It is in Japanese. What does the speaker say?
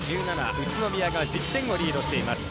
宇都宮が１０点をリードしています。